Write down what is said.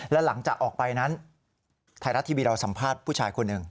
และหลังจากออกไปนั้นไทยรัฐทีวีเราสัมภาษณ์ผู้ชายคนหนึ่ง